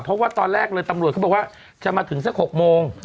เพราะว่าตอนแรกเลยตำรวจเขาบอกว่าจะมาถึงสัก๖โมง